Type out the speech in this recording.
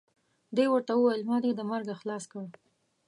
دې ورته وویل ما یې د مرګه خلاص کړ.